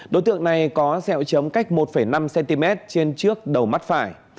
đối tượng này có sẹo chấm cách một năm cm trên trước đầu mắt phải